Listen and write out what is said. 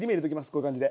こういう感じで。